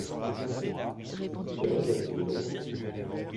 Quel âge a-t-il?